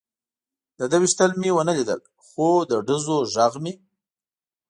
د ده وېشتل مې و نه لیدل، خو د ډزو غږ مې.